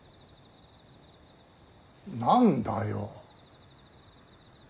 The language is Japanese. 何だよ。